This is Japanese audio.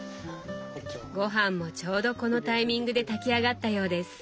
ごはんもちょうどこのタイミングで炊き上がったようです。